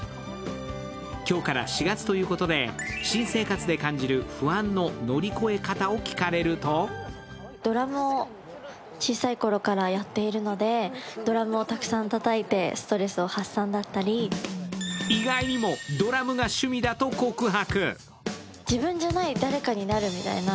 今日から４月ということで新生活で感じる不安の乗り越え方を聞かれると意外にもドラムが趣味だと告白。